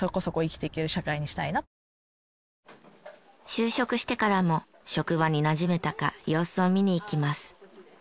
就職してからも職場になじめたか様子を見に行きます。